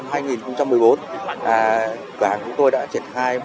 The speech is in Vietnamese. cửa hàng của chúng tôi đã triển khai